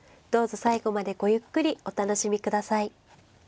どうぞ最後までごゆっくりお楽しみ下さい。